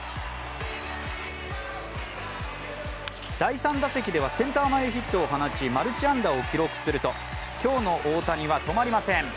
第３打席ではセンター前ヒットを放ち、マルチ安打を記録すると今日の大谷は止まりません。